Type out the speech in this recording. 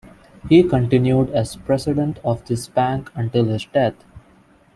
He continued as President of this bank until his death.